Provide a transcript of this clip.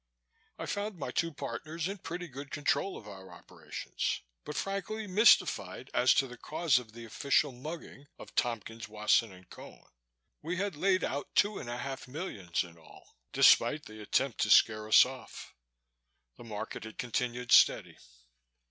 I found my two partners in pretty good control of our operations but frankly mystified as to the cause of the official mugging of Tompkins, Wasson & Cone. We had laid out two and a half millions in all, despite the attempt to scare us off. The market had continued steady.